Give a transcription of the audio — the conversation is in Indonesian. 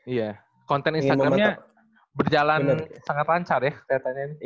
iya konten instagram nya berjalan sangat lancar ya